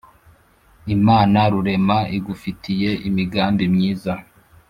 imana rurema igufitiye imigambi myiza